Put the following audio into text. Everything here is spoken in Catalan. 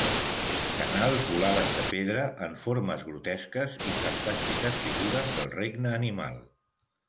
Canals volades de pedra en formes grotesques i fantàstiques figures del regne animal.